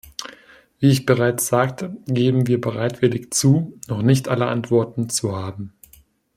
Wie ich bereits sagte, geben wir bereitwillig zu, noch nicht alle Antworten zu haben.